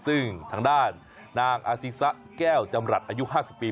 ซึ่งทางด้านนางอาศิสะแก้วจำรัฐอายุ๕๐ปี